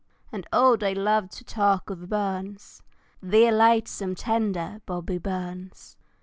And O, they loved to talk of Burns; Dear, lithesome, tender, Bobby Burns!